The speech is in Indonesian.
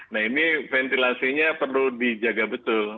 nah ini ventilasinya perlu dijaga betul